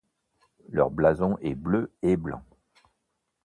Leur blason est bleu et blanc.